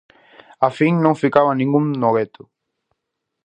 Á fin non ficaba ningún no gueto.